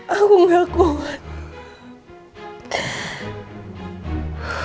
aku gak kuat